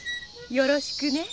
よろしくね。